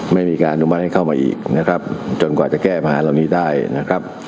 ไม่มีการอนุมัติให้เข้ามาอีกนะครับจนกว่าจะแก้ปัญหาเหล่านี้ได้นะครับ